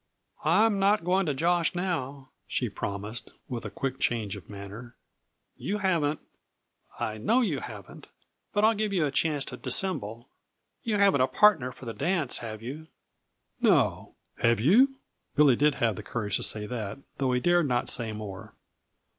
"I'm not going to josh now," she promised, with a quick change of manner. "You haven't I know you haven't, but I'll give you a chance to dissemble you haven't a partner for the dance, have you?" "No. Have you?" Billy did have the courage to say that, though he dared not say more.